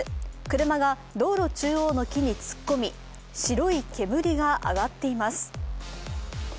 車が道路中央の木に突っ込み白い煙が上がっています。